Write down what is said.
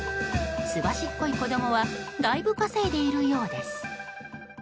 すばしっこい子供はだいぶ稼いでいるようです。